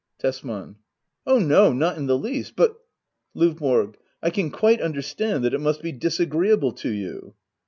Tesman. Oh no, not in the least ! But ? LOVBORO. I can quite understand that it must be disagree able to you.